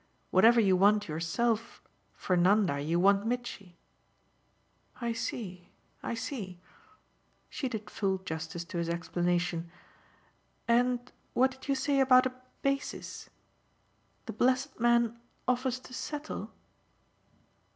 Whatever you want yourself, for Nanda you want Mitchy." "I see, I see." She did full justice to his explanation. "And what did you say about a 'basis'? The blessed man offers to settle